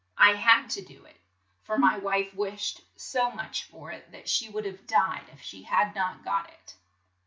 I had to do it, for my wife wished so much for it that she would have died if she had not got it."